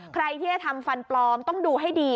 ใครที่จะทำฟันปลอมต้องดูให้ดี